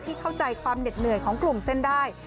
เข้าใจความเหน็ดเหนื่อยของกลุ่มเส้นได้